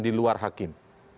di luar hakim